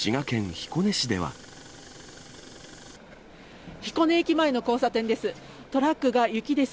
彦根駅前の交差点です。